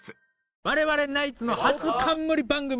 我々ナイツの初冠番組ですよ。